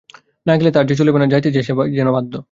না গেলে তার যে চলিবে না, যাইতে সে যেন বাধ্য।